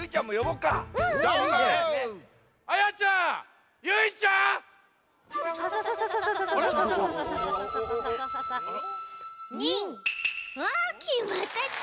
うわきまったち。